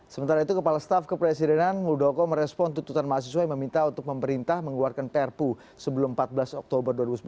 sementara itu kepala staf kepresidenan muldoko merespon tuntutan mahasiswa yang meminta untuk pemerintah mengeluarkan prpu sebelum empat belas oktober dua ribu sembilan belas